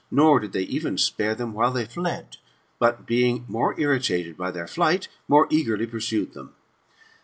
Nor did they even spare them while they fled; but, being more irritated by their flight, more eagerly pursued them.